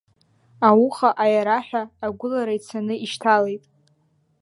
Ауха аиара ҳәа агәылара ицаны ишьҭалеит.